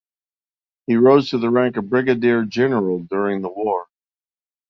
He rose to the rank of Brigadier General during the war.